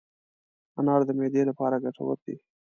انار د معدې لپاره ګټور دی.